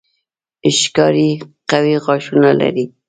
ښکاري قوي غاښونه لري.